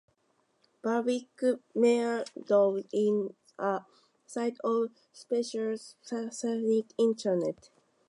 Bulwick Meadows is a Site of Special Scientific Interest.